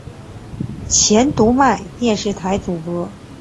前读卖电视台主播。